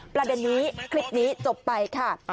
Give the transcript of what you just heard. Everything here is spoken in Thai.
ประเด็นนี้คลิปนี้จบไปค่ะ